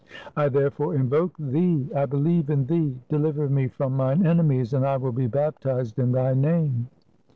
I therefore invoke Thee ! I believe in Thee ! Deliver me from mine enemies, and I will be baptized in thy Name!"